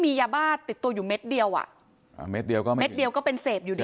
ที่มียาบ้าติดตัวอยู่เม็ดเดียวอ่ะเม็ดเดียวก็เป็นเสพอยู่ดี